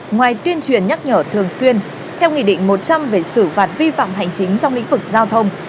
ngoài tuyên truyền nhắc nhở thường xuyên theo nghị định một trăm linh về xử phạt vi phạm hành chính trong lĩnh vực giao thông